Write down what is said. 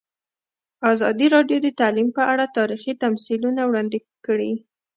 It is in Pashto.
ازادي راډیو د تعلیم په اړه تاریخي تمثیلونه وړاندې کړي.